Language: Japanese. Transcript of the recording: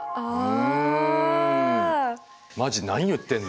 マジ何言ってんの？